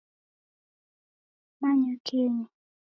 Manya kenyu